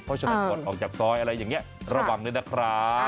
เพราะฉะนั้นก่อนออกจากซอยอะไรอย่างนี้ระวังด้วยนะครับ